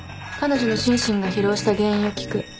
彼女の心身が疲労した原因を聞く。